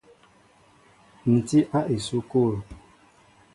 Ǹ tí a esukul.